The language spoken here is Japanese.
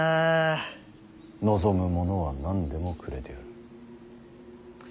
望むものは何でもくれてやる。